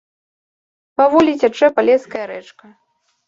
Паволі цячэ палеская рэчка.